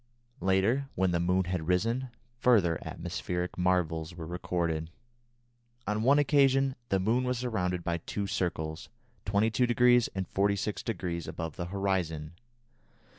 Later, when the moon had risen, further atmospheric marvels were recorded. On one occasion the moon was surrounded by two circles, 22° and 46° above the horizon.